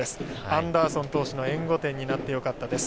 アンダーソン選手の援護点になってよかったです。